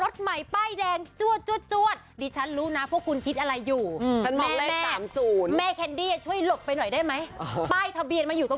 ทวงแม่แคนดี้จะช่วยหลบไปหน่อยได้มั้ย